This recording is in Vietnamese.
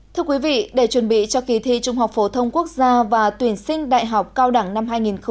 thưa quý vị để chuẩn bị cho kỳ thi trung học phổ thông quốc gia và tuyển sinh đại học cao đẳng năm hai nghìn hai mươi